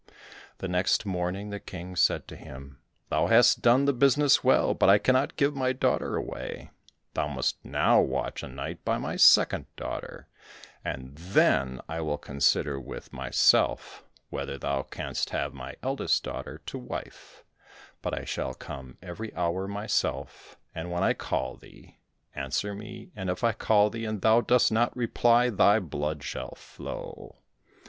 The next morning the King said to him, "Thou hast done the business well, but I cannot give my daughter away. Thou must now watch a night by my second daughter, and then I will consider with myself, whether thou canst have my eldest daughter to wife, but I shall come every hour myself, and when I call thee, answer me, and if I call thee and thou dost not reply, thy blood shall flow."